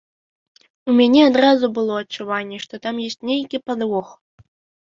У мяне адразу было адчуванне, што там ёсць нейкі падвох.